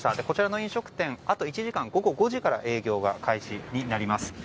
こちらの飲食店あと１時間、午後５時から営業が開始になります。